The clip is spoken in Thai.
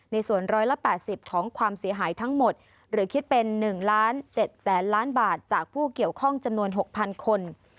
ในส่วน๑๘๐ของความเสียหายทั้งหมดหรือคิดเป็น๑ล้าน๗แสนล้านบาทจากผู้เกี่ยวข้องจำนวน๖๐๐คน